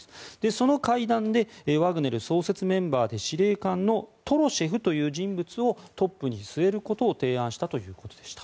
その会談でワグネル創設メンバーで司令官のトロシェフという人物をトップに据えることを提案したということでした。